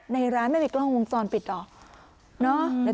ในร้านไม่มีกล้องวงจรปิดเหรอ